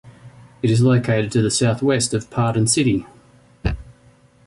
It is located to the southwest of Paden City.